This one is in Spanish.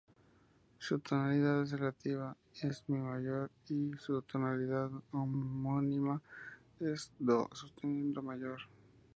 Su tonalidad relativa es "mi" mayor, y su tonalidad homónima es "do" sostenido mayor.